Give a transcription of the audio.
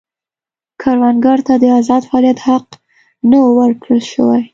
کروندګرو ته د ازاد فعالیت حق نه و ورکړل شوی.